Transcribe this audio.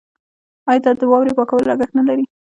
آیا د واورې پاکول لګښت نلري؟